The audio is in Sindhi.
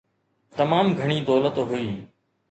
تمام گهڻي دولت هئي.